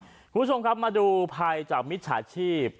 คุณผู้ชมครับมาดูภัยจากมิจฉาชีพ